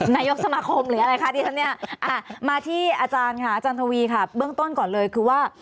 นายกสมาคมหรืออะไรคะที่ฉันเนี่ยมาที่อาจารย์ค่ะอาจารย์ทวีค่ะเบื้องต้นก่อนเลยคือว่า